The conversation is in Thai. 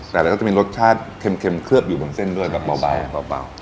แต่มันจะมีรสชาติเค็มข้ย้มเคลือบอยู่กับเส้นด้วยแบบเปล่า